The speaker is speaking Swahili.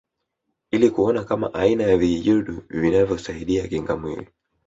Ili kuona kama aina ya vijidudu vinavyosaidia kinga mwilini